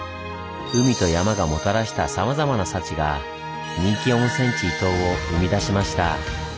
海と山がもたらしたさまざまな幸が「人気温泉地伊東」を生み出しました。